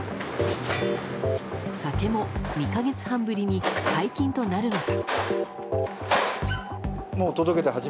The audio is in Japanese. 酒も２か月半ぶりに解禁となるのか。